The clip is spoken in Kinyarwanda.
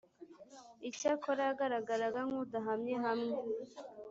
icyakora yagaragaraga nk’udahamye hamwe